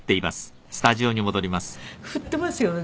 振ってますよね